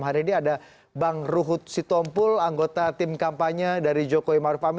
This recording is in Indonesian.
hari ini ada bang ruhut sitompul anggota tim kampanye dari jokowi maruf amin